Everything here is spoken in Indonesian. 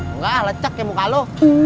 enggak lecak kayak muka lu